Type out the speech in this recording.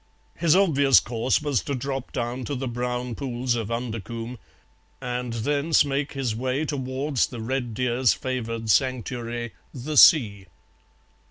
His obvious course was to drop down to the brown pools of Undercombe, and thence make his way towards the red deer's favoured sanctuary, the sea.